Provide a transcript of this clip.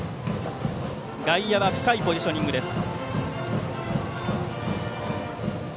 外野は深いポジショニングです。